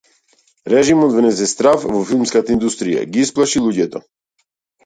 Режимот внесе страв во филмската индустрија, ги исплаши луѓето.